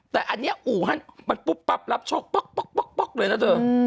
แต่อันนี้อู่ฮั่นมันปุ๊บปั๊บรับโชคป๊อกเลยนะเธอ